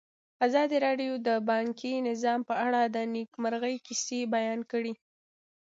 ازادي راډیو د بانکي نظام په اړه د نېکمرغۍ کیسې بیان کړې.